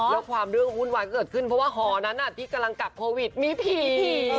แล้วความเรื่องวุ่นวายเกิดขึ้นเพราะว่าหอนั้นที่กำลังกักโควิดมีผี